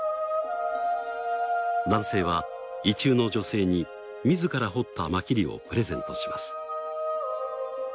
男性は意中の女性に自ら彫ったマキリをプレゼントします。